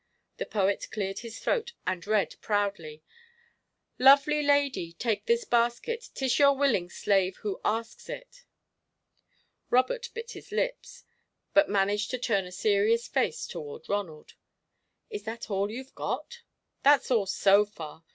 The poet cleared his throat and read proudly: "Lovely lady, take this basket; 'Tis your willing slave who asks it." Robert bit his lips, but managed to turn a serious face toward Ronald. "Is that all you've got?" "That's all, so far.